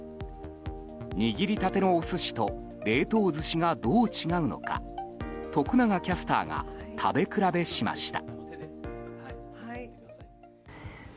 握りたてのお寿司と冷凍寿司がどう違うのか徳永キャスターが食べ比べしました。